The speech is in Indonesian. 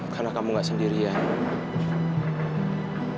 karena kamu gak sendirian